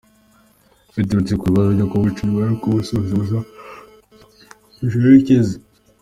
Biturutse ku bibazo byo kumuca inyuma no kumusuzuguza ku nshoreke ze.